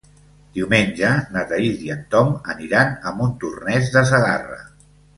Diumenge na Thaís i en Tom aniran a Montornès de Segarra.